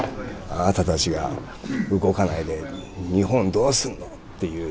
「あなたたちが動かないで日本どうすんの？」っていうね。